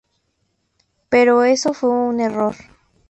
Pero eso fue un error.